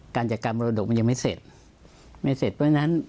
จัดการมรดกมันยังไม่เสร็จไม่เสร็จเพราะฉะนั้น